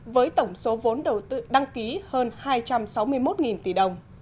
với tổng số vốn đầu tư đăng ký hơn hai trăm sáu mươi một tỷ đồng